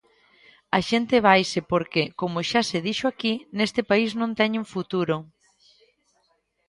A xente vaise porque –como xa se dixo aquí– neste país non teñen futuro.